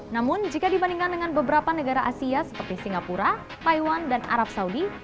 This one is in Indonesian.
namun jika dibandingkan dengan beberapa negara asia seperti singapura taiwan dan arab saudi